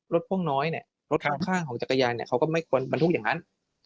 รถภ่องน้อยรถข้างของจักรยายไม่ควรบรรทุกอย่างนั้น